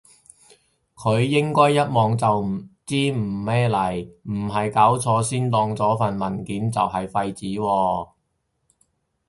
佢應該一望就知係咩嚟，唔係搞錯先當咗份文件係廢紙喎？